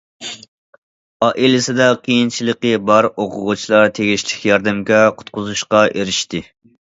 ئائىلىسىدە قىيىنچىلىقى بار ئوقۇغۇچىلار تېگىشلىك ياردەمگە، قۇتقۇزۇشقا ئېرىشتى.